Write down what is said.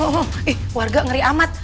oh warga ngeri amat